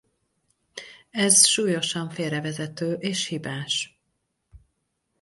Ez súlyosan félrevezető és hibás.